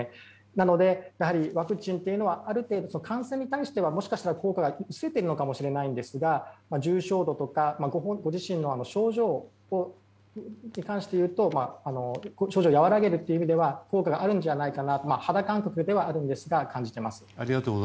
なのでやはりワクチンというのは感染に対してはもしかしたら効果が薄れているのかもしれませんが重症度とかご自身の症状に関して言うと症状を和らげるという意味では効果があるんじゃないかと肌感覚ではありますが感じています。